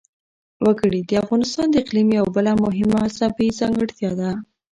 وګړي د افغانستان د اقلیم یوه بله مهمه طبیعي ځانګړتیا ده.